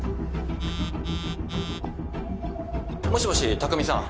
もしもし匠さん。